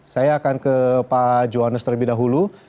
saya akan ke pak johannes terlebih dahulu